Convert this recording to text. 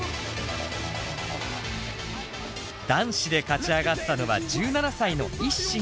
男子で勝ち上がったのは１７歳のＩＳＳＩＮ